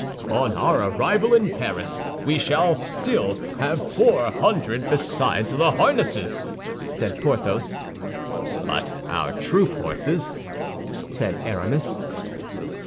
"On our arrival in Paris, we shall still have four hundred, besides the harnesses," said Porthos. "But our troop horses?" said Aramis.